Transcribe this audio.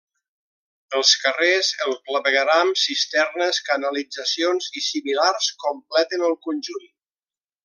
Els carrers, el clavegueram, cisternes, canalitzacions i similars completen el conjunt.